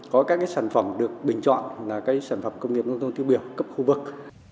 có các sản phẩm được bình chọn là sản phẩm công nghiệp nông thôn tứ biển cấp khu vực